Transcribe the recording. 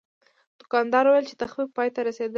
دوکاندار وویل چې تخفیف پای ته رسیدلی.